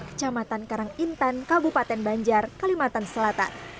kecamatan karangintan kabupaten banjar kalimantan selatan